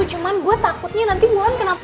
cuman gue takutnya nanti wulan kenapa